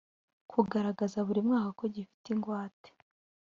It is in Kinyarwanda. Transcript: kugaragaza buri mwaka ko gifite ingwate